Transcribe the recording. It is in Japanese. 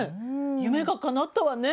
夢がかなったわね。